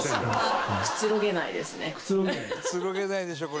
「くつろげないでしょこれ。